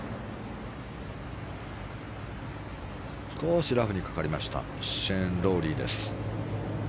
少しラフにかかりましたシェーン・ロウリーです。